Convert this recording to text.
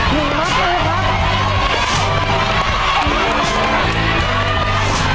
มัดเท่าไหร่ครับ